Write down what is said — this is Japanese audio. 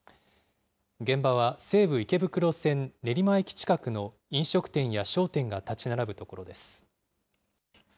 現場は、西武池袋線練馬駅近くの飲食店や商店が建ち並ぶ所です。